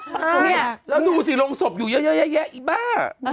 แล้วดูสิลงศพอยู่เยอะไอ้บ้า